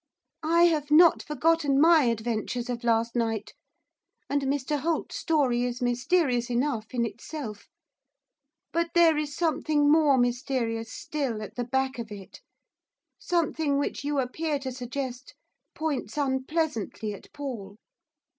I have not forgotten my adventures of last night, and Mr Holt's story is mysterious enough in itself; but there is something more mysterious still at the back of it, something which you appear to suggest points unpleasantly at Paul.